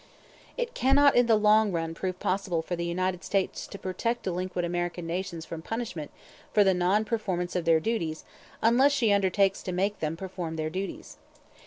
It cannot in the long run prove possible for the United States to protect delinquent American nations from punishment for the non performance of their duties unless she undertakes to make them perform their duties.